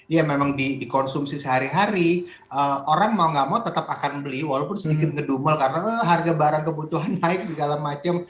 ya memang dikonsumsi sehari hari orang mau gak mau tetap akan beli walaupun sedikit ngedumel karena harga barang kebutuhan naik segala macam